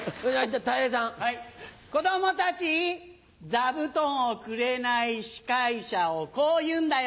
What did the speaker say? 座布団をくれない司会者をこう言うんだよ。